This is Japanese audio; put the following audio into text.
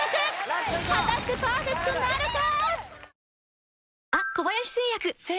果たしてパーフェクトなるか？